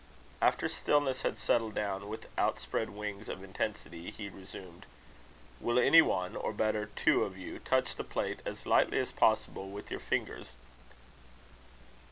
After stillness had settled down with outspread wings of intensity, he resumed: "Will any one, or, better, two of you, touch the plate as lightly as possible with your fingers?"